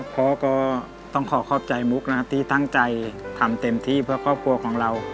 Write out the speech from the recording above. พ่อก็ต้องขอขอบใจมุกนะครับที่ตั้งใจทำเต็มที่เพื่อครอบครัวของเรา